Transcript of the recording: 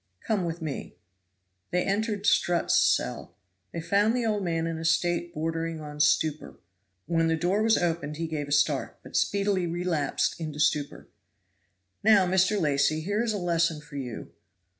"Come with me." They entered Strutt's cell. They found the old man in a state bordering on stupor. When the door was opened he gave a start, but speedily relapsed into stupor. "Now, Mr. Lacy, here is a lesson for you.